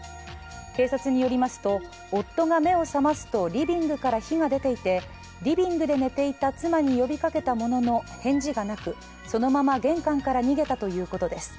警察によりますと夫が目を覚ますとリビングから火が出ていてリビングで寝ていた妻に呼びかけたものの返事がなく、そのまま玄関から逃げたということです。